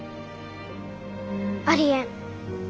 ありえん。